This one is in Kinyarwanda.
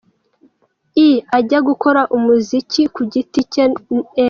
E ajya gukora umuziki ku giti cye.N.